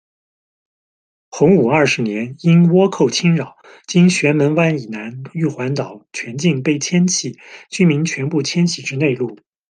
洪武二十年，因倭寇侵扰，今漩门湾以南玉环岛全境被迁弃，居民全部迁徙至内陆。